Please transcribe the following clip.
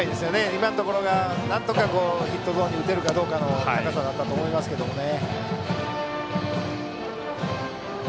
今のところがなんとかヒットゾーンに打てるかどうかの高さだったと思いますけどね。